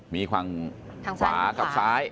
มีฝั่งขวากับซ้าย